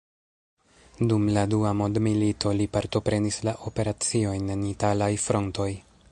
Dum la Dua mondmilito li partoprenis la operaciojn en italaj frontoj.